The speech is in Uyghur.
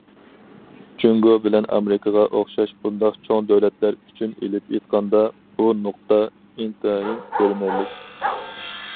جۇڭگو بىلەن ئامېرىكىغا ئوخشاش بۇنداق چوڭ دۆلەتلەر ئۈچۈن ئېلىپ ئېيتقاندا، بۇ نۇقتا ئىنتايىن كۆرۈنەرلىك.